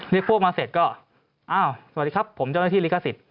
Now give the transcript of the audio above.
เรียกพวกมาเสร็จก็สวัสดีครับผมเจ้าหน้าที่ลิขสิทธิ์